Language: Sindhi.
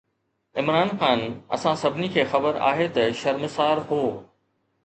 عمران خان، اسان سڀني کي خبر آهي ته شرمسار هو.